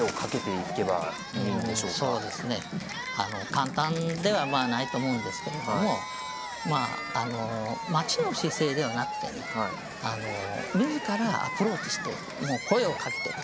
簡単ではないと思うんですけれども待ちの姿勢ではなくてねあの自らアプローチして声をかけていくと。